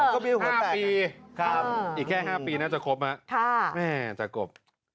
ก็มีหูแตกอะครับอีกแค่๕ปีน่าจะครบอะจะครบ